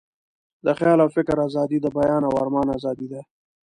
د خیال او فکر آزادي، د بیان او آرمان آزادي ده.